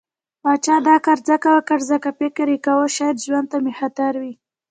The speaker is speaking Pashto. پاچا دا کار ځکه وکړ، ځکه فکر يې کوه شايد ژوند ته مې خطر وي.